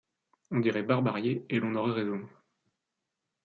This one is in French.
On dirait Barbarié et l'on aurait raison.